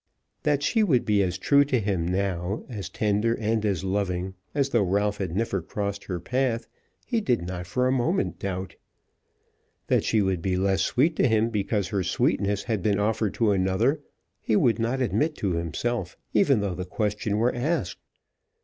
That she would be as true to him now, as tender and as loving, as though Ralph had never crossed her path, he did not for a moment doubt. That she would be less sweet to him because her sweetness had been offered to another he would not admit to himself, even though the question were asked.